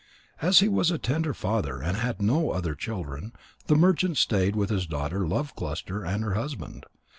As he was a tender father and had no other children, the merchant stayed with his daughter Love cluster and her husband.